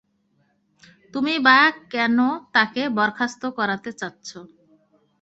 তুমিই বা কেনো তাকে বরখাস্ত করাতে চাচ্ছো?